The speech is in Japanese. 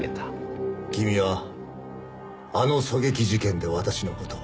君はあの狙撃事件で私の事を？